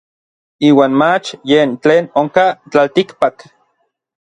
Iuan mach yen tlen onkaj tlaltikpak.